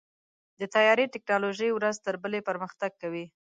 د طیارې ټیکنالوژي ورځ تر بلې پرمختګ کوي.